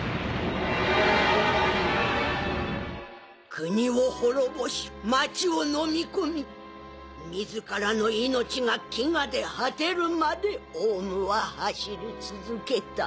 国を滅ぼし街をのみ込み自らの命が飢餓で果てるまで王蟲は走り続けた。